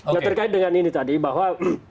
nah terkait dengan ini tadi bahwa